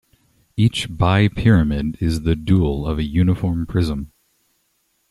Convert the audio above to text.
Each bipyramid is the dual of a uniform prism.